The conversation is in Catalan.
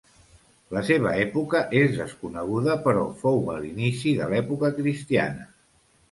La seva època és desconeguda però fou a l'inici de l'època cristiana.